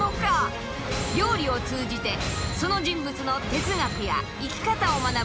料理を通じてその人物の哲学や生き方を学ぶ